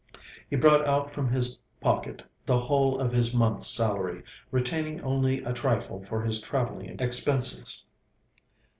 He brought out from his pocket the whole of his month's salary, retaining only a trifle for his travelling expenses.